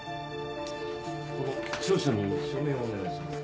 この調書に署名をお願いします。